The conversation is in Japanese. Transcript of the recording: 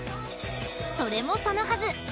［それもそのはず］